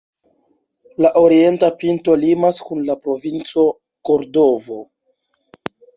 La orienta pinto limas kun la Provinco Kordovo.